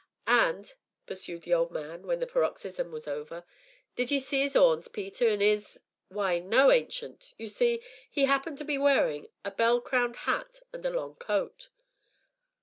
"And," pursued the old man when the paroxysm was over, "did ye see 'is 'orns, Peter, an' 'is " "Why, no, Ancient; you see, he happened to be wearing a bell crowned hat and a long coat."